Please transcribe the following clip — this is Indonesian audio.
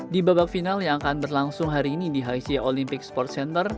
di babak final yang akan berlangsung hari ini di haicia olympic sports center